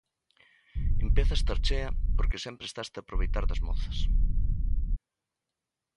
Empezo estar chea porque sempre estaste aproveitar das mozas